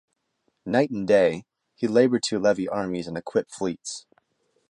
Night and day he laboured to levy armies and equip fleets.